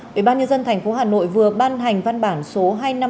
bởi ban nhân dân thành phố hà nội vừa ban hành văn bản số hai nghìn năm trăm sáu mươi hai